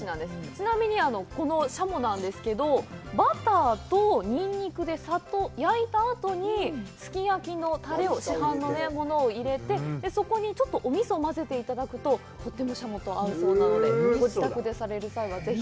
ちなみに、このしゃもなんですけど、バターとニンニクでさっと焼いたあとに、すき焼きのタレを市販のものを入れて、そこにちょっとおみそをまぜていただくと、とてもしゃもと合うそうなので、ご自宅でされる際はぜひ。